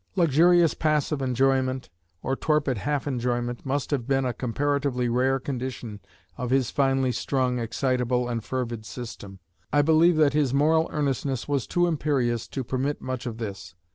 Luxurious passive enjoyment or torpid half enjoyment must have been a comparatively rare condition of his finely strung, excitable, and fervid system. I believe that his moral earnestness was too imperious to permit much of this.